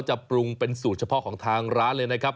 จะปรุงเป็นสูตรเฉพาะของทางร้านเลยนะครับ